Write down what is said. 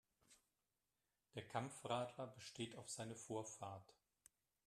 Der Kampfradler besteht auf seine Vorfahrt.